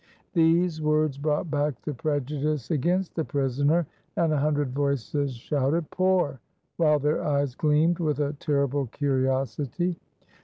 These words brought back the prejudice against the prisoner, and a hundred voices shouted, "Pour!" while their eyes gleamed with a terrible curiosity.